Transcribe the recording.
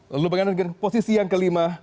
lalu bagaimana dengan posisi yang kelima